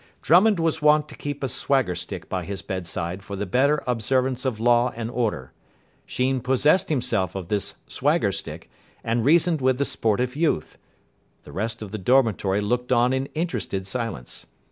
Drummond was wont to keep a swagger stick by his bedside for the better observance of law and order. Sheen possessed himself of this swagger stick, and reasoned with the sportive youth. The rest of the dormitory looked on in interested silence.